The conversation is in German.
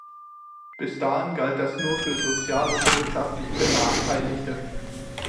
Bis dahin galt das nur für sozial und wirtschaftlich Benachteiligte.